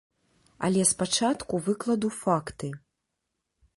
Але спачатку выкладу факты.